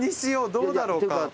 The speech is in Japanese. どうだろうか。